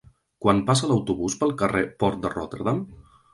Quan passa l'autobús pel carrer Port de Rotterdam?